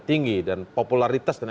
tinggi dan popularitas dan